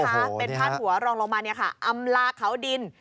เป็นพาตหัวรองลงมานี่ค่ะอำลาเขาดิน